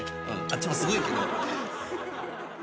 あっちもすごいけど。